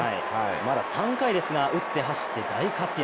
まだ３回ですが打って走って大活躍。